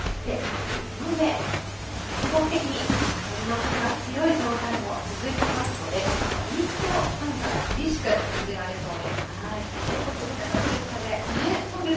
その上、全国的に北寄りの風が強い状態も続きますので、一層寒さが厳しく感じられそうです。